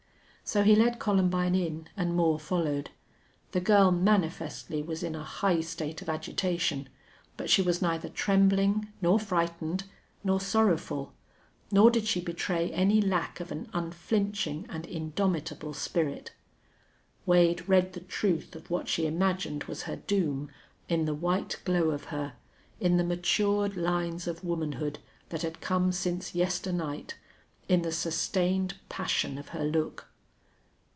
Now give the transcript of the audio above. So he led Columbine in, and Moore followed. The girl manifestly was in a high state of agitation, but she was neither trembling nor frightened nor sorrowful. Nor did she betray any lack of an unflinching and indomitable spirit. Wade read the truth of what she imagined was her doom in the white glow of her, in the matured lines of womanhood that had come since yesternight, in the sustained passion of her look.